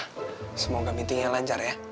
semoga meetingnya lancar ya